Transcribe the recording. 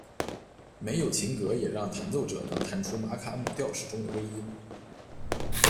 没有琴格也让弹奏者能弹出玛卡姆调式中的微音。